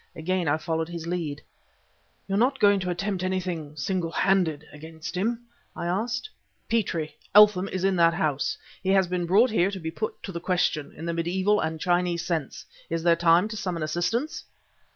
Again I followed his lead. "You are not going to attempt anything, singlehanded against him?" I asked. "Petrie Eltham is in that house. He has been brought here to be put to the question, in the medieval, and Chinese, sense! Is there time to summon assistance?"